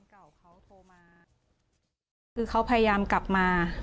คือเขาพยายามกลับมา